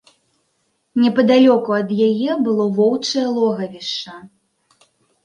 Непадалёку ад яе было воўчае логавішча.